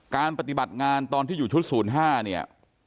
ปฏิบัติงานตอนที่อยู่ชุด๐๕เนี่ย